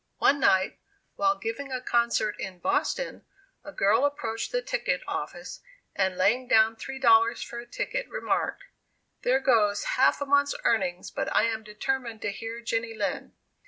One night, while giving a concert in Boston, a girl approached the ticket office, and laying down $3 for a ticket, remarked, "There goes half a month's earnings, but I am determined to hear Jenny Lind."